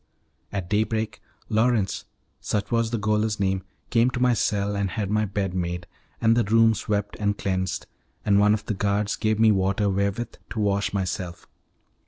At day break, Lawrence (such was the gaoler's name) came to my cell and had my bed made, and the room swept and cleansed, and one of the guards gave me water wherewith to wash myself.